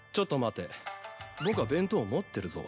僕は弁当を持ってるぞ。